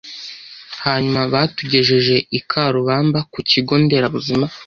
hanyuma batugejeje i Karubamba ku kigo nderabuzima